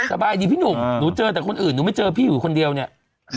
สบายดีพี่หนุ่มหนูเจอแต่คนอื่นหนูไม่เจอพี่อยู่คนเดียวเนี่ย